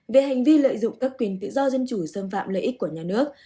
về hành vi lợi dụng các quyền tự do dân chủ xâm phạm lợi ích của nhà nước